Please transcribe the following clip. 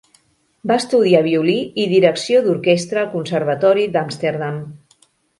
Va estudiar violí i direcció d'orquestra al conservatori d'Amsterdam.